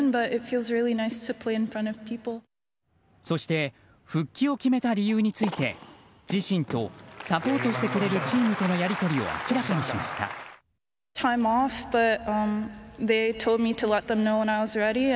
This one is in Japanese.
そして復帰を決めた理由について自身とサポートしてくれるチームとのやり取りを明らかにしました。